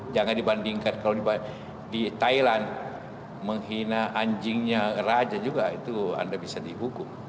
jangan dibandingkan kalau di thailand menghina anjingnya raja juga itu anda bisa dihukum